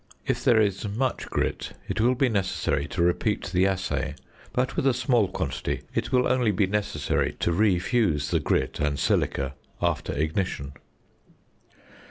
If there is much grit, it will be necessary to repeat the assay; but with a small quantity it will only be necessary to refuse the grit and silica after ignition.